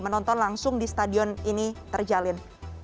menonton langsung di stadion ini terjalin